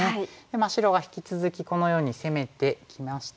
白が引き続きこのように攻めてきましても。